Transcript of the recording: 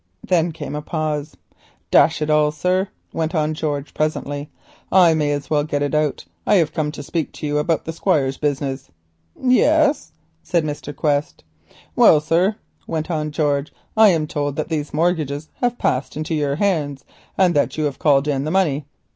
Then came a pause. "Dash it all, sir," went on George presently, "I may as well get it out; I hev come to speak to you about the Squire's business." "Yes," said Mr. Quest. "Well, sir," went on George, "I'm told that these dratted mortgages hev passed into your hands, and that you hev called in the money."